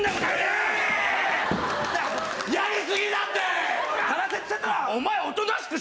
やりすぎだって。